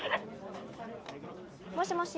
もしもし。